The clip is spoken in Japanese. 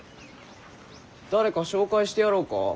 誰か紹介してやろうか？